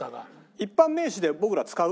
一般名詞で僕ら使う？